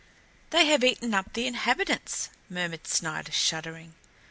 "They have eaten up the inhabitants," murmured Snider, shuddering.